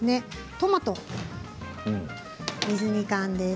トマト、水煮缶です。